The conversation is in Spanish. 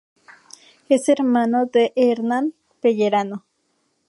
Es hermano de Hernán Pellerano.